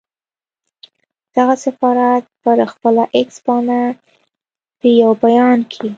دغه سفارت پر خپله اېکس پاڼه په یو بیان کې